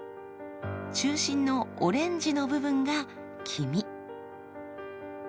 中心のオレンジの部分が黄身。